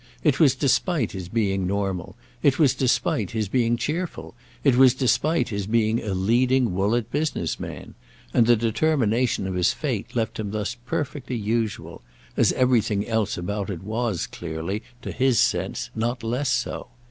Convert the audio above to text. It was despite his being normal; it was despite his being cheerful; it was despite his being a leading Woollett business man; and the determination of his fate left him thus perfectly usual—as everything else about it was clearly, to his sense, not less so.